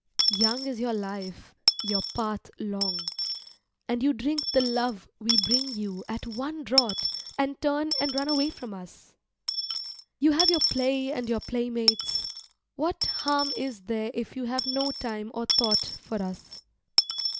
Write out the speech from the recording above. Young is your life, your path long, and you drink the love we bring you at one draught and turn and run away from us. You have your play and your playmates. What harm is there if you have no time or thought for us.